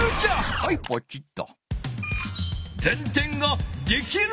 はいポチッと。